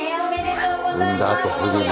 産んだあとすぐに。